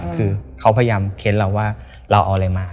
คือเขาพยายามเค้นเราว่าเราเอาอะไรมา